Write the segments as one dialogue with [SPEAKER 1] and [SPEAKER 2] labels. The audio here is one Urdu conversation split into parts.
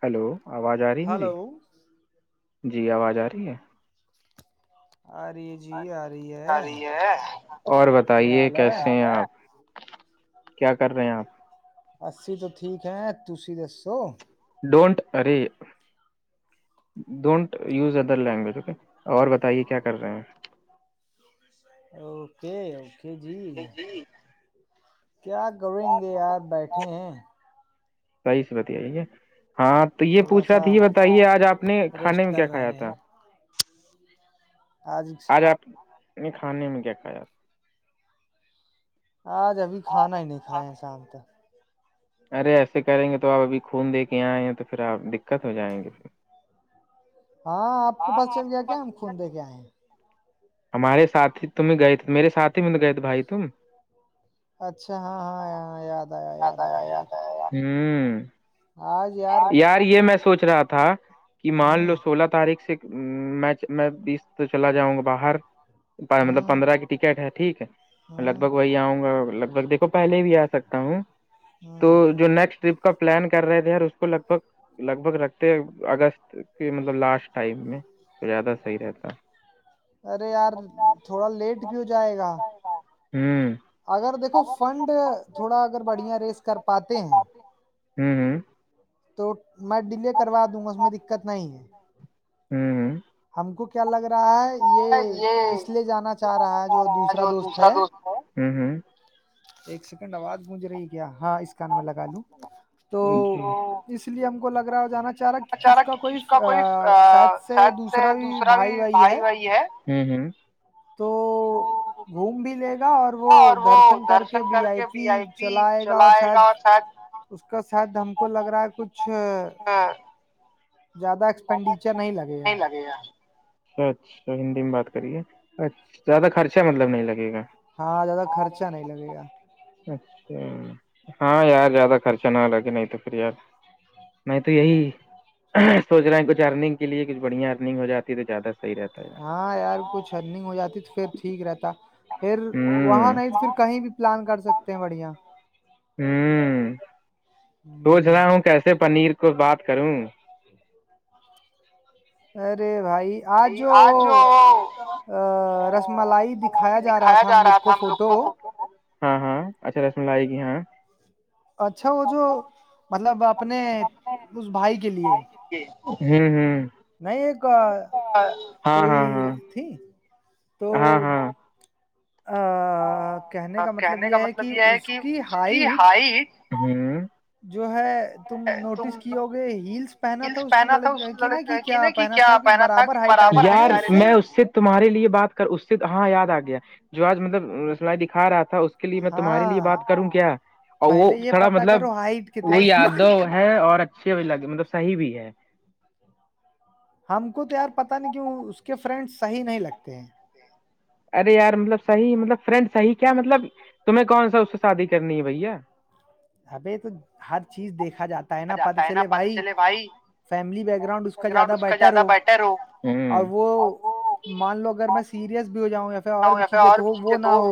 [SPEAKER 1] ہیلو آواز آ رہی میری جی آواز آ رہی ہے
[SPEAKER 2] آ ری
[SPEAKER 1] رہی اور بتائیے کیسے ہیں آپ کیا کر رہے ہیں آپ
[SPEAKER 2] ای تو ٹھیک ہیں ت دسو
[SPEAKER 1] ڈونٹ ارے don't was other language okay اور بتائیے کیا کر رہے ہیں
[SPEAKER 2] اوکے اوکے جی کیا کریں گے آپ بیٹھے ہیں
[SPEAKER 1] صحی سے بتئی ہے ہاں تو یہ پوچھ رہا تھا یہ بتائیے آج آپ نے کھانے میں کیا کایا تھا
[SPEAKER 2] آج
[SPEAKER 1] نہیں کھانے میں کیا کھایا تھا
[SPEAKER 2] آج ابھی کھانا ہی نہیں کھائے ہیں شام تک
[SPEAKER 1] ارے ایسے کریں گے تو آپ ابھی خون دے کے یہاںئ ہیں تو پھر آپ دقت ہو جائیں گے پھر
[SPEAKER 2] ہاں آپ کو پس چل گیا کیا ہم خون دے کے آئے ہیں
[SPEAKER 1] ہمارے ساتھی تم ہی گئے تھے میرے سات ہی میں گئے تھے بھائی تم
[SPEAKER 2] اچھا ہاں ہاں ہاں یاد آیا یاد آیا یار
[SPEAKER 1] ہوں یار یہ میں سوچ رہا تھا کہ مان لو سولہ تاریخ سے میں میں بیس تو چلا جاؤں گا باہر مطلب پندرہ کی ٹکٹ ہے ٹھیک ہے لگ بھگ وہی آؤں گا دیکھو پہلے بھی آ سکتا ہوں تو جو نیکسٹ ٹرپ کا پلان کر رہے تھے اس کو لگ بھگ لگ بگ رکھتے ہیں اگست کہ مطلب لاسٹ ٹائم میں تو زیادہ صحیح رہتا
[SPEAKER 2] ارے یار تھوڑا لیٹ بھی ہو جائے گا
[SPEAKER 1] ہوں
[SPEAKER 2] اگر دیکھو فنڈ تھوڑا اگر بڑھیا ریز کر پاتے ہیں
[SPEAKER 1] ہوں ہوں
[SPEAKER 2] تو میں ڈیلے کروا دوں گا اس میں دقت نہیں ہے
[SPEAKER 1] ہوں
[SPEAKER 2] ہم کو کیا لگ رہا ہے یہ اس لیے جانا چاہ رہا ہے جو دوسرا دوست ہے
[SPEAKER 1] ہوں ہوں
[SPEAKER 2] ایک سیکنڈ آواز گونج رہی کیا ہاں اس کاان میں لگا لوں تو اس لیے ہم کو لگ رہا ہے جانا چاہ رہا اس کا کوئی شاید سے دوسرا
[SPEAKER 1] دوسرا بھی بھائی بھائی ہے
[SPEAKER 2] تو گھوم بھی لے گا اور وہ درشن کر کے و آئی پی چلائے گا اور شاید اس کا شاید ہم کو لگ رہا ہے کچھ زیادہ
[SPEAKER 1] زیادہ نہیں لگے یار اچھا اچھا ہندی میں بات کریے اچھ زیادہ خرچہ مطلب نہیں لگے گا
[SPEAKER 2] ہاں زیادہ خرچہ نہیں لگے گا
[SPEAKER 1] اچھا ہاں یار زیادہ خرچہ نہ لگے نہیں تو پھر یار میں تو یہی سو رہے ہیں کچ ارنگ کے لی کچھ بھیا ارنگ ہو جی ہے تو زیادہ صح رہتا
[SPEAKER 2] ہاں یار کچھ رننگ ہو جاتی تو پھر ٹھیک رہتا پھر وہاں نہیں تو پھر کہیں بھی پلان کر سکتے ہیں بڑھیا
[SPEAKER 1] ہوں پوچھ رہا ہوں کیسے پنیر کو بات کروں
[SPEAKER 2] [inaudible] ارے بھائی آج جو رس ملائی دکھایا جا رہا تھا ہم لوگ کو فوٹو
[SPEAKER 1] ہاں ہاں اچھا رس ملائی کی ہاں
[SPEAKER 2] اچھا وہ جو مطلب اپنے اس بھائی کے لیے
[SPEAKER 1] ہ ہ ہاں ہاں ہاں ہاں ہاں
[SPEAKER 2] [inaudible]
[SPEAKER 1] ہ کہنے کا مطلب یہ ہے کہ اس کی ہائٹ
[SPEAKER 2] جو ہے تم نوٹس کیو گے ہیلس
[SPEAKER 1] ہلس پہنا تھا اس لڑک کی نا کہ کیا پہنا تھا کہر ی میں اس سے تمہارے لیے بات کر اس سے ہاں یاد آ گیا جو آج مطلب رسمائی دکھا رہا تھا کے لیے میں تمہارے لیے بات کروں کیا اور وہ تھوڑا مطلب وہ یاد دو ہے اور اچھے بھی لگے مطلب صحی بھی ہے
[SPEAKER 2] ہم کو تو یار پتاہ نہیں کیوں اس کے فرینڈس صحیح نہیں لگتے ہیں
[SPEAKER 1] ارے یار مطلب صحی مطلب فرینڈ صح کیا مطلب تمہیں کون سا اس سے شادی کرنی ہے بھیا
[SPEAKER 2] ابھی تو ہر چیز دیکھا جاتا ہے نا پت چلے بھائی فیملی بیک گراؤنڈ اس کا زیادہ بیٹر ہو اور وہ مان لو اگر میں سیریس بھی ہو جاؤں یا پھر اور بھی چیزیں تو نہ ہو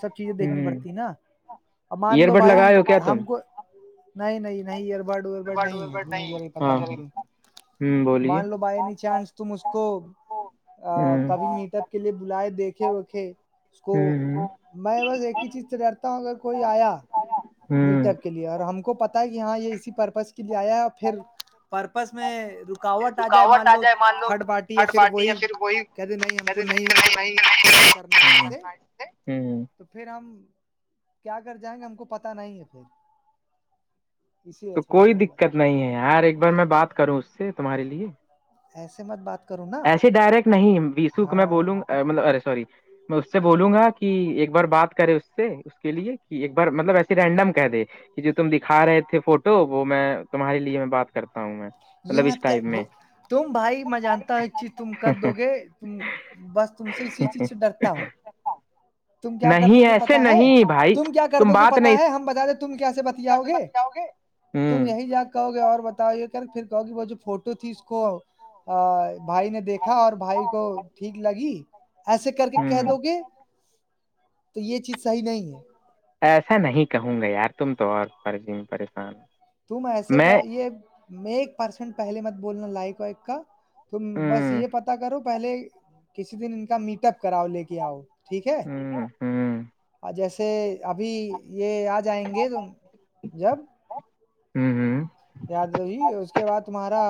[SPEAKER 2] سب چیزیں دیکھنی پڑتی نا اور مان لو بھائی ہم کو نہیں نہیں نہیں ایئربڈ اربڈ نہیں ہے مجھے ل پتا نہیں کیوں مان لو بائیی چانس تم اس کو کبھی میٹ اپ کے لیے بلائے دیکھے وکھے
[SPEAKER 1] ہوں ہ
[SPEAKER 2] میں بس ایک ہی چیز سے ڈرتا ہوں اگر کوئی آیا میٹ اپ کے لیے اور ہم کو پتا کہ ہاں یہ اسی پرپز کے لیے آیا اور پھر پرپز میں رکاوٹ آ جائے مان لو تھرڈ پارٹی یا پھر وہی کہتے نہیں ہم کو نہیں کرنا اس
[SPEAKER 1] [unintelligible]
[SPEAKER 2] تو پھر ہم کیا کر جائیں گے ہم کو پتہ نہیں ہے پھر
[SPEAKER 1] تو کوئی دقت نہیں ہے یار ایک بار میں بات کروں اس سے تمہارے لیے
[SPEAKER 2] ایسے مت بات
[SPEAKER 1] ایسے ڈائریکٹ نہیں وسو میں بولوں مطلب سوری میں اس سے بولوں گا کہ ایک بار بات کرے اس سے اس کے لیے کہ ایک بار مطلب ایسے رینڈم کہہ دے کہ جو تم دکھا رہے تھے فوٹو وہ میں تمہارے لیے میں بات کرتا ہوں میں
[SPEAKER 2] یہی مت کی ب تم بھائی میں جانتا ہوں چیز تم کر دو گے تم بس تم سے اسی چیز سے ڈرتا ہوں تم کیا کر دو گے پتا ہے تم کیا کر دو گے پتا ہے ہم بتا دیں تم کیسے بتیاؤ گے تم یہی جا کہو گے اور بتاؤ یہ کیا پھر کہو گی وہ جو فوٹو تھی اس کو بھائی نے دیکھا اور بھائی کو ٹھیک لگی ایسے کر کے کہہ دو گے تو یہ چیز صحیح نہیں ہے
[SPEAKER 1] ایسا نہیں کہوں گا یار تم تو اور فرضی میں پریشان ہو
[SPEAKER 2] تم ایسے یہ ایک پرسینٹ پہلے مت بولنا لائق ہو ایک کا تم بس یہ پتا کرو پہلے کسی دن ان کا میٹ اپ کراؤ لے کے آؤ
[SPEAKER 1] ہوں ہ
[SPEAKER 2] اور جیسے ابھی یہ آ جائیں گے تو جب
[SPEAKER 1] ہوں ہوں
[SPEAKER 2] یاد رہی اس کے بعد تمہارا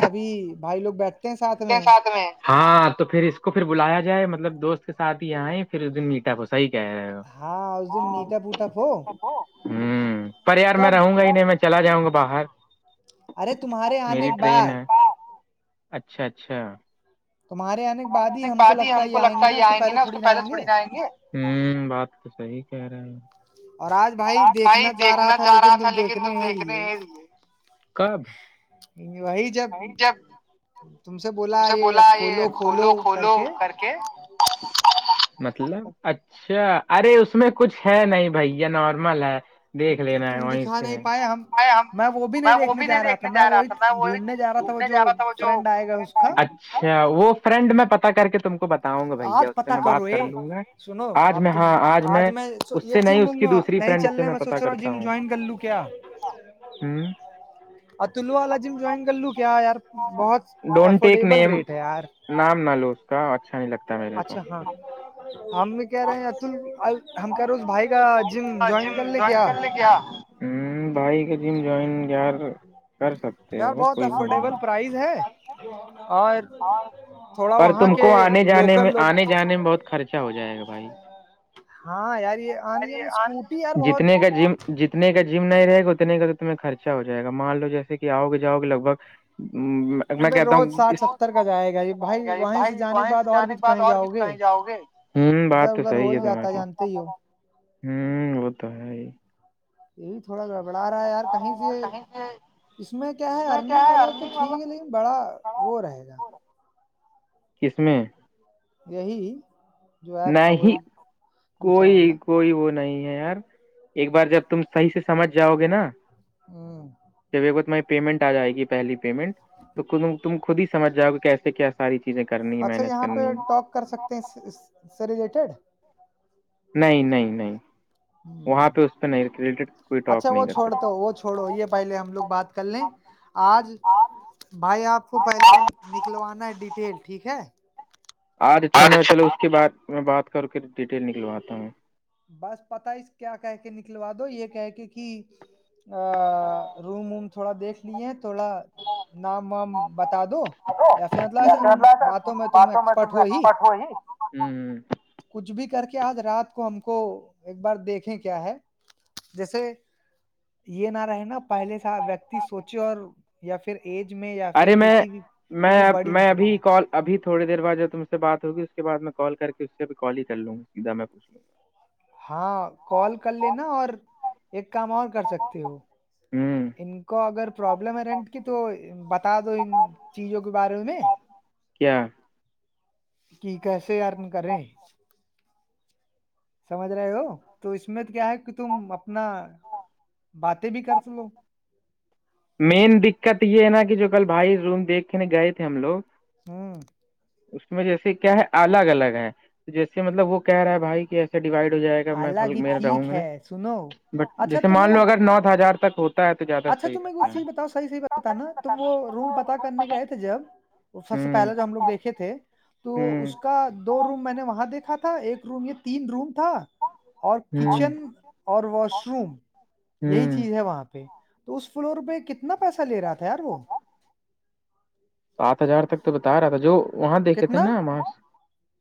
[SPEAKER 2] سبھی بھائی لوگ بیٹھتے ہیں ساتھ میں
[SPEAKER 1] ہاں تو پھر اس کو پھر بلایا جائے مطلب دوست کے سھ ہی آئے پھر اس دن میٹھا ب صحی کہہ رہے ہو پ یار میں رہوں گا ہی نہیں میں چلا جاؤں گا باہر
[SPEAKER 2] ارے تمہارے آنے کے بعد
[SPEAKER 1] اچھا اچھا آے آنے کے بع ہی ہم کو لگتا ہے یہ آئیں گے نا اس کو پہلے چھوڑی نہ آئیں گے ہوں بات تو صحی کہہ رہے ہیں اور آج بھائی دیکھنا چاہ رہا تھا لیکن تم دیکھنے ہے لیے کب
[SPEAKER 2] وہ ج
[SPEAKER 1] وہ جب تم سے بولا یہ کھولو کھولو کر کہ مطلب اچھا ارے اس میں کچھ ہے نہیں بھیا نارمل ہے دیکھ لینا ہے وہیں سے میں وہ بھی نہیں دیکھنے جا رہا نے جا رہا تھا ف اچھا وہ فرینڈ میں پتا کر کے تم کو بتا آؤں گا بھیا اس سے میں بات کر لوں گا آج میں ہاں آج میں اس سے نہیں اس کی دوسری تھری فریڈ پ میں پتا کرتا ہوں ہ
[SPEAKER 2] اورتلو والا جم جو ہےیں گے گ اللو کیا یار بہت افورڈیبل ریٹ ہے یار
[SPEAKER 1] نام نہ لو اس کا اچھا نہیں لگتا میرے کو
[SPEAKER 2] ہم بھی کہہ رہے ہیں اتل ہم کہہ رہے اس بھائی کا جم جوائن کر لے کیا
[SPEAKER 1] کیا ہ بھائی کا جیم جوائن یار
[SPEAKER 2] یار بہت افورڈیبل پرائز ہے اور تھوڑا وہاں کے لوکل لوگ
[SPEAKER 1] جان میں بہت خرچہ ہو جائے گا بھائی
[SPEAKER 2] ہاں اری
[SPEAKER 1] جتنے کا جم جتنے کا جم نہیں رہے گا اتنے کا تو تمہیں خرچہ ہو جائے گا مان لو جیسے کہ آؤ گے جاؤ گے لگ بگ ہ میں کہتا ہوں گا بھائی وہیں سے جانے کے بعد اور بھی کہیں جاؤ گے ہوں بات تو سحی ہے تمہاری ہوں وہ تو ہے ہی
[SPEAKER 2] یہ بھی تھوڑا گڑبڑا رہا ہے یار کہیں سے اس میں کیا ہے ارننگ والا تو ٹھیک ہے لیکن بڑا وہ رہے گا
[SPEAKER 1] کس میںیں
[SPEAKER 2] یہی جو ایپ تھا وہ دوسرا والا
[SPEAKER 1] کوئی وہ نہیں ہے یار ایک بار جب تم صحیح سے سمجھ جاؤ گے نا تو وگوت م پیمنٹ آ جائے گی پہلی پیمنٹ تو تم خود ہی سمھ جاؤ گ کہ کیسے کیس ساری چیزیں کرنی مینج کرنی
[SPEAKER 2] سے ریلیٹیڈ
[SPEAKER 1] نہیں نہیں نہیں وہاں پہ اس پہ نہیں ریلیٹڈ کوئی ٹاک نہیں کر سکتے
[SPEAKER 2] تھڑو یہ پہلے ہم لوگ بات کر لیں آج بھائی آپ کو پیسے نکلوانا ہے ڈٹیل ٹھیک ہے
[SPEAKER 1] آج اچھا میں چلو اس کے بعد میں بات کر کے ڈیٹیل نکلواتا ہوں
[SPEAKER 2] بس پتا اس کیا کہ کے نکلوا دو یہ کہ کے کہ ا روم ووم تھوڑا دیکھ لیے تھوڑا نام وام بتا دو یا پھر مطلب ایسا باتوں میں تم ایکسپرٹ ہو ہی
[SPEAKER 1] ہوں
[SPEAKER 2] کچھ بھی کر کے آج رات کو ہم کو ایک بار دیکھیں کیا ہے جیسے یہ نہ رہے نا پہلے سے ویکتی سوچے اور یا پھر ایج میں یا پھر کسی بھی چیز میں بڑی نکل رہائے ہے
[SPEAKER 1] اب تھوڑی دیرعد جب تم سے بات ہوگی اس کے بع میں کال کر کے اس سے بھی کال ہی کر لوں گ سیدھا میں پوچ لوں گا
[SPEAKER 2] ہاں کال کر لینا اور ایک کام اور کر سکتے ہو ان کو اگر پرابلم ہے رینٹ کی تو بتا دو ان چیزوں کے بارے میں کہ کیسے ارن کریں سمجھ رہے ہو تو اس میں کیا ہے کہ تم اپنا باتیں بھی کر سلو
[SPEAKER 1] مین دقت یہ ہے نا کہ جو کل بھائی روم دیکھنے گئے تھے ہم لوگ
[SPEAKER 2] ہوں
[SPEAKER 1] اس میں جیسے کیا ہے الگ الگ ہے جیسے مطلب وہ کہہ رہا ہے بھائی کہسے ڈیوائڈ ہو جائے گا میں رہوں گا نا بٹ جیسے مان لو اگر نوھ ہزار تک ہوتا ہے تو زیادہ صحیح رہتا ہے
[SPEAKER 2] پتا نا تم وہ روم پتا کرنے گئے تھے جب سب سے پہلے جو ہم لوگ دیکھے تھے تو اس کا دو روم میں نے وہاں دیکھا تھا ایک روم یہ تین روم تھا اور کچن اور واش روم یہی چیز ہے وہاں پہ تو اس فلور پہ کتنا پیسہ لے رہا تھا یار وہ
[SPEAKER 1] سات ہزار تک تو بتا رہا تھا جو وہاں دیکھے تھے نا وہاں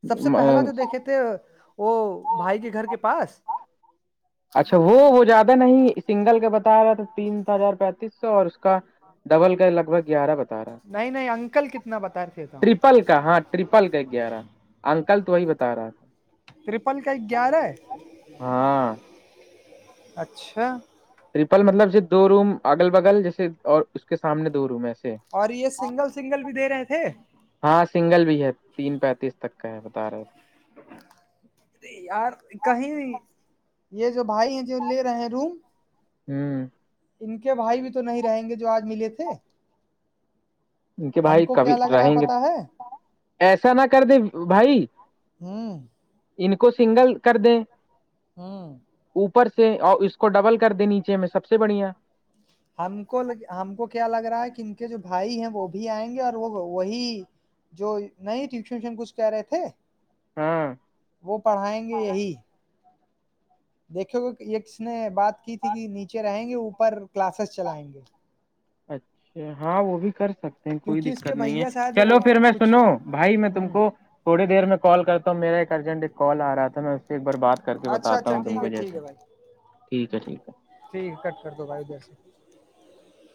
[SPEAKER 2] سب سے پہلا جو دیکھے تھے وہ بھائی کے گھر کے پاس
[SPEAKER 1] اچھا وہ وہ زیادہ نہیں سنگل کا بتایا رہا تھا تین ہزار پینتیس سو اور اس کا ڈبل گئے لگ بھگ گیارہ بتا رہا ٹپ پل کا ہاں ٹرپل کا گیارہ انکل تو وہی بتا رہا تھا
[SPEAKER 2] ٹرپل کا گیارہ ہے اچھا
[SPEAKER 1] ٹرپل مطلب ج دو روم اگل بگل جیسے اور اس کے سامنے دو روم ہے ایسے
[SPEAKER 2] اور یہ سنگل سنگل بھی دے رہے تھے
[SPEAKER 1] ہاں سنگل بھی ہے تین پینتیس تک کا ہے بتا رہے ہیں
[SPEAKER 2] یار کہیں یہ جو بھائی ہیں جو لے رہے ہیں روم
[SPEAKER 1] ہوں
[SPEAKER 2] ان کے بھائی بھی تو نہیں رہیں گے جو آج ملے تھے ہم کو کیا لگ رہا ہے پتا ہے ہوں
[SPEAKER 1] ان کو سنگل کر دیں
[SPEAKER 2] ہوں
[SPEAKER 1] اوپر سے اور اس کو ڈبل کر دے نیچے میں سب سے بڑھیا
[SPEAKER 2] ہم کو ہم کو کیا لگ رہا ہے کہ ان کے جو بھائی ہیں وہ بھی آئیں گے اور وہ وہی جو نہیں ٹیوشن ویشن کچھ کہہ رہے تھے وہ پڑھائیں گے یہی دیکھیو کہ س نے بات کی تھی کہ نیچے رہیں گے اوپر کلاسز چلائیں گے
[SPEAKER 1] اچھا ہاں وہ بھی کر سکتے ہیں کوئی دقت نہیں ہے چلو پھر میں سنو بھائی میں تم کو تھوڑی دیر میں کال کرتا ہوں میرا ایک ارجنٹ کال آ رہا تھا میں اس سے ایک بار بات کر کے بتاتا ہوں تم کو جیسے ٹھیک ہے ٹھیک ہے
[SPEAKER 2] ٹھیک ہے کٹ کر دو بائی ادھر سے